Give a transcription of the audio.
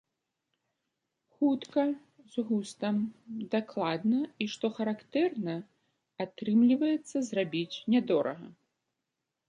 Хутка, з густам, дакладна і што характэрна, атрымліваецца зрабіць нядорага.